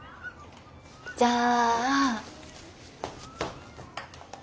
じゃあ。